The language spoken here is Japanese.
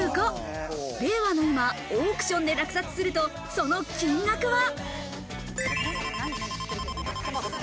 令和の今、オークションで落札すると、その金額は。